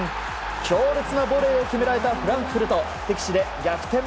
強烈なボレーを決められたフランクフルト敵地で逆転